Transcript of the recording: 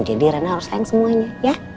jadi rena harus sayang semuanya